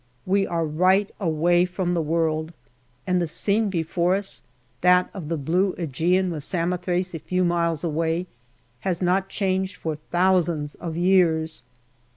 We are right away from the world, and the scene before us that of the blue ^gean with Samothrace a few miles away has not changed for thousands of years.